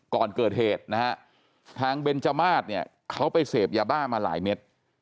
ก่อนเกิดเหตุนะฮะทางเบนจมาสเนี่ยเขาไปเสพยาบ้ามาหลายเม็ด